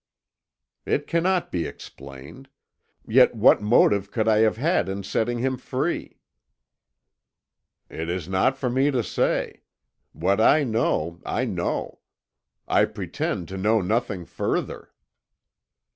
"It cannot be explained. Yet what motive could I have had in setting him free?" "It is not for me to say. What I know, I know. I pretend to nothing further."